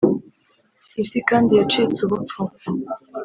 isi kandi yacitse ubupfu! "